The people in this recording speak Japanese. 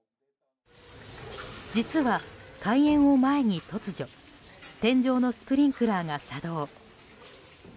実は、開演を前に突如天井のスプリンクラーが作動。